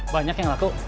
banyak yang laku